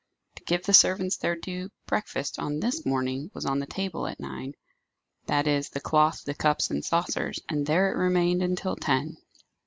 To give the servants their due, breakfast, on this morning, was on the table at nine that is, the cloth, the cups and saucers: and there it remained until ten.